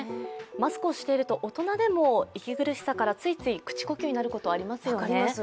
マスクをしていると大人でも息苦しさからついつい口呼吸になることありますよね。